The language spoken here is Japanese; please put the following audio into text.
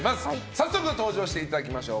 早速登場していただきましょう。